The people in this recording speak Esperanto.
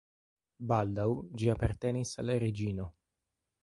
Baldaŭ ĝi apartenis al la reĝino.